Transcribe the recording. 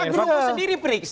wa group sendiri periksa